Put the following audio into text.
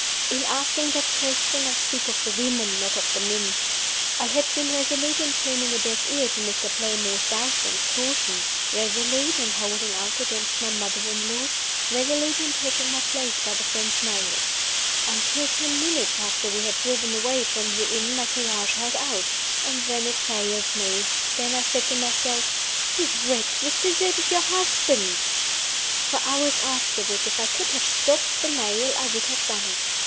In asking that question, I speak of the women, not of the men. I had been resolute in turning a deaf ear to Mr. Playmore's doubts and cautions; resolute in holding out against my mother in law; resolute in taking my place by the French mail. Until ten minutes after we had driven away from the inn my courage held out and then it failed me; then I said to myself, "You wretch, you have deserted your husband!" For hours afterward, if I could have stopped the mail, I would have done it.